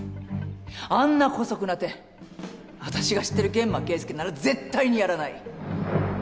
あんなこそくな手私が知ってる諫間慶介なら絶対にやらない。